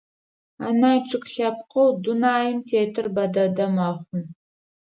Анай чъыг лъэпкъэу дунаим тетыр бэ дэдэ мэхъу.